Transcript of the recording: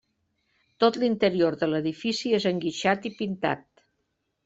Tot l'interior de l'edifici és enguixat i pintat.